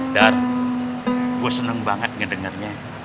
dar gua seneng banget ngedengernya